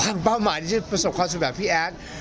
วางเป้าหมายที่จะประสบความสวยแบบพี่แอ๊ด